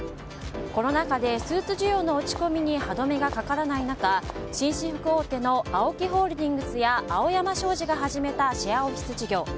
コロナ禍でスーツ需要の落ち込みに歯止めがかからない中紳士服大手のＡＯＫＩホールディングスや青山商事が始めたシェアオフィス事業。